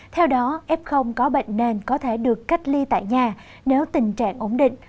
theo đó ép không có bệnh nền có thể được cách ly tại nhà nếu tình trạng ổn định